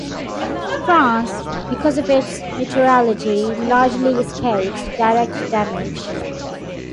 France, because of its neutrality, largely escapes direct damage.